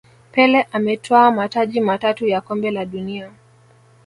pele ametwaa mataji matatu ya kombe la dunia